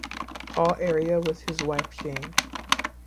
Paul area with his wife, Jane.